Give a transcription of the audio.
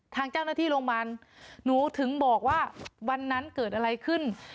ทางเจ้าหน้าที่โรงพยาบาลหนูถึงบอกว่าวันนั้นเกิดอะไรขึ้น